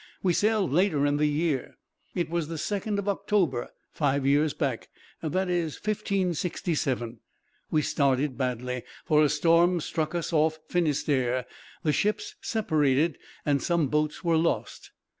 We sailed later in the year. It was the 2nd October, five years back; that is, 1567. We started badly, for a storm struck us off Finisterre, the ships separated, and some boats were lost.